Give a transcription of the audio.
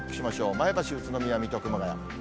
前橋、宇都宮、水戸、熊谷。